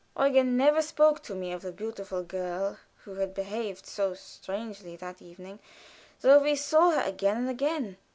Eugen never spoke to me of the beautiful girl who had behaved so strangely that evening, though we saw her again and again.